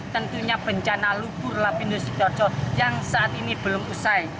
tentunya bencana lukur lapindo sidoarjo yang saat ini belum usai